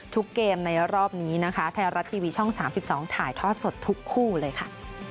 เกมในรอบนี้นะคะไทยรัฐทีวีช่อง๓๒ถ่ายทอดสดทุกคู่เลยค่ะ